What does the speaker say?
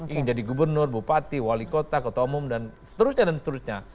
ingin jadi gubernur bupati wali kota ketua umum dan seterusnya dan seterusnya